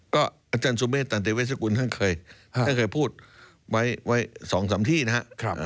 ก็อาจารย์สุเมฆตันติเวชกุลท่านเคยท่านเคยพูดไว้๒๓ที่นะครับ